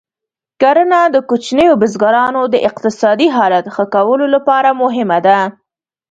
کرنه د کوچنیو بزګرانو د اقتصادي حالت ښه کولو لپاره مهمه ده.